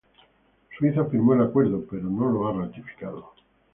Suiza firmó el acuerdo pero no lo ha ratificado.